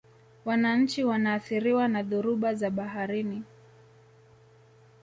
wananchi wanaathiriwa na dhoruba za baharini